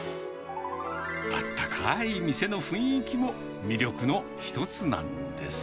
あったかい店の雰囲気も、魅力の一つなんです。